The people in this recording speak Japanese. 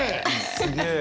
すげえ。